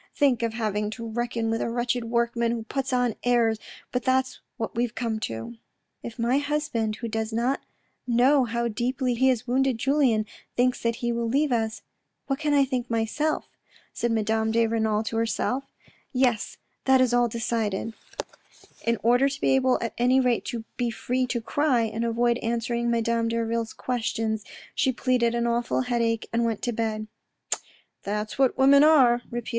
Think of having to reckon with a wretched workman who puts on airs, but that's what we've come to." " If my husband, who does not know how deeply he has wounded Julien, thinks that he will leave us, what can I think myself?" said Madame de Renal to herself. " Yes, that is all decided." In order to be able at any rate to be free to cry, and to avoid answering madame Derville's questions, she pleaded an awful headache, and went to bed. " That's what women are," repeated M.